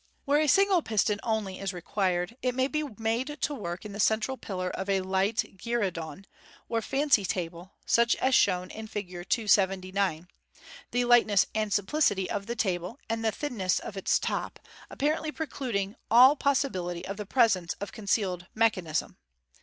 Where a single piston only is required, it may be made to work in the central pillar of a light gue'ridon, or fancy table, such as shown in Fig. 279, the lightness and simplicity of the table, and the thinness of its top, appa rently precluding all posiibility of the presence of concealed mechanism.